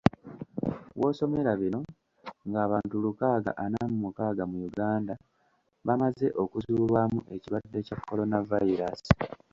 W'osomera bino, ng'abantu lukaaga ana mu mukaaga mu Uganda bamaze okuzuulwamu ekirwadde kya Kolonavayiraasi.